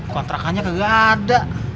kontrakannya kagak ada